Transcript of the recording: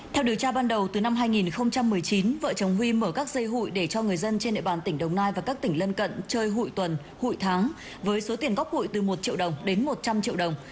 theo điều tra ban đầu từ năm hai nghìn một mươi chín vợ chồng huy mở các dây hụi để cho người dân trên địa bàn tỉnh đồng nai và các tỉnh lân cận chơi hụi tuần hụi tháng với số tiền góp hụi từ một triệu đồng đến một trăm linh triệu đồng